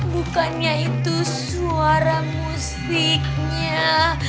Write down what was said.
bukannya itu suara musiknya